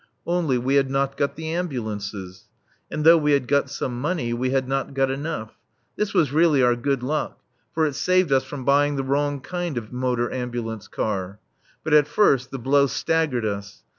Only we had not got the ambulances. And though we had got some money, we had not got enough. This was really our good luck, for it saved us from buying the wrong kind of motor ambulance car. But at first the blow staggered us.